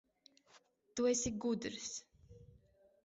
Tu esi gudrs.